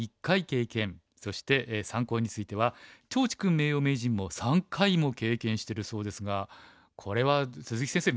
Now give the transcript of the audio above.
そして三コウについては趙治勲名誉名人も３回も経験してるそうですがこれは鈴木先生